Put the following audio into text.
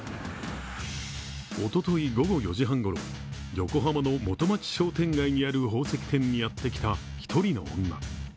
おととい午後４時半ごろ横浜の元町商店街にある宝石店にやってきた一人の女。